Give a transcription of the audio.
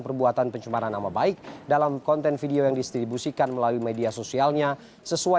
perbuatan pencemaran nama baik dalam konten video yang distribusikan melalui media sosialnya sesuai